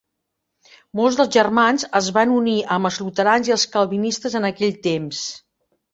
Molts dels germans es van unir amb els Luterans i els Calvinistes en aquell temps.